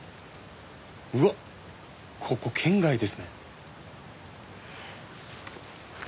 うわっここ圏外ですね。